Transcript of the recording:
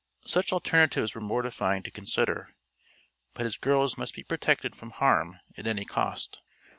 Such alternatives were mortifying to consider, but his girls must be protected from harm at any cost.